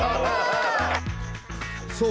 そう！